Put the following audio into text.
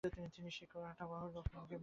তিনি সেই কাঁটা বাহুর রক্ত মুখে মেখে নেন।